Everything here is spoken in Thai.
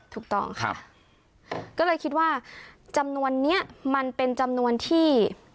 ถูกต้องครับก็เลยคิดว่าจำนวนเนี้ยมันเป็นจำนวนที่